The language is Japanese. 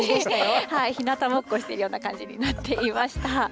ひなたぼっこをしているような感じになってました。